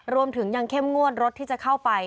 รวมถึงยังเข้มงวดรถที่จะเข้าไป